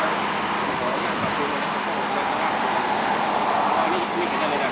โรงพยาบาลโรงพยาบาลโรงพยาบาลโรงพยาบาล